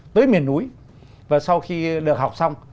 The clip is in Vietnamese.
tới miền núi và sau khi được học xong